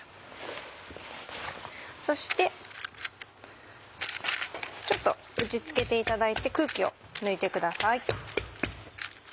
そしてちょっと打ち付けていただいて空気を抜いてください。